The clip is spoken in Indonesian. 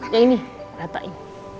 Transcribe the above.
yang ini ratain